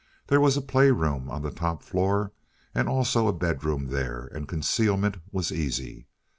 There was a play room on the top floor, and also a bedroom there, and concealment was easy.